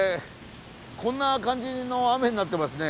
こんな感じの雨になってますね